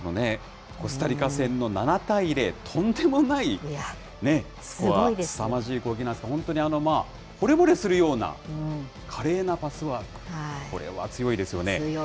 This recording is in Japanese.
コスタリカ戦の７対０、とんでもないね、スコア、すさまじい攻撃、本当にほれぼれするような華麗なパスワーク、これは強いですよね。